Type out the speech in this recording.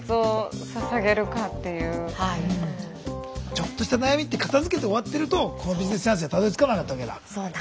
ちょっとした悩みって片づけて終わってるとこのビジネスチャンスにはたどりつかなかったわけだ。